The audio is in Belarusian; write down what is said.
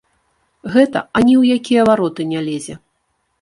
Гэта ані ў якія вароты не лезе.